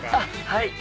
はい。